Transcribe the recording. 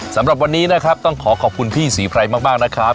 สำหรับวันนี้นะครับต้องขอขอบคุณพี่ศรีไพรมากนะครับ